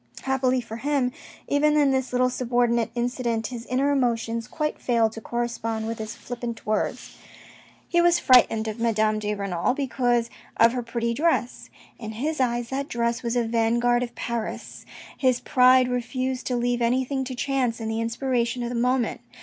Happily for him, even in this little subordinate incident, his inner emotions quite failed to correspond with his flippant words. He was frightened of Madame de Renal because of her pretty dress. In his eyes, that dress was a vanguard of Paris. His pride refused to leave anything to chance and the inspiration of the moment.